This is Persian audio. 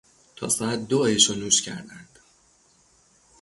تا ساعت دو عیش و نوش کردند.